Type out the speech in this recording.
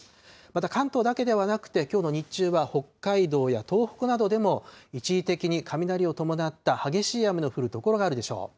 また関東だけではなくて、きょうの日中は北海道や東北などでも、一時的に雷を伴った激しい雨の降る所があるでしょう。